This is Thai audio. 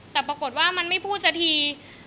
แต่ปรากฏว่ามันไม่พูดสักที